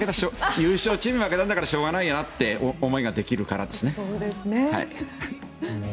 優勝チームに負けたんならしょうがないよなって思いができるからですね。